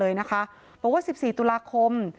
เลยนะคะบอกว่า๑๔ตุลาคม